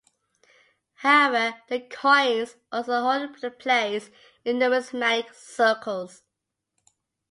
However, the coins also hold a place in numismatic circles.